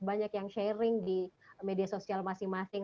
banyak yang sharing di media sosial masing masing